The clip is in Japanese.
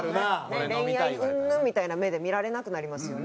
恋愛うんぬんみたいな目で見られなくなりますよね。